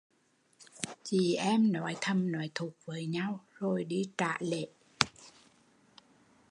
Chị em nói thầm nói thụt với nhau rồi đi trả lễ